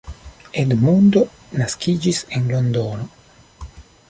Edmundo naskiĝis en Londono.